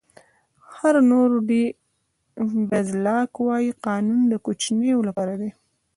هونور ډي بلزاک وایي قانون د کوچنیو لپاره دی.